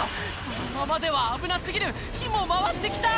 このままでは危な過ぎる火も回って来た！